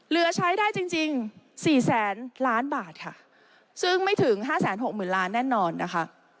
เหลือใช้ได้จริง๔๐๐๐๐๐ล้านบาทค่ะซึ่งไม่ถึง๕๖๐๐๐๐ล้านแน่นอนนะคะ